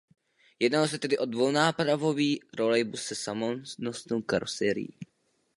Jednalo se tedy o dvounápravový trolejbus se samonosnou karoserií.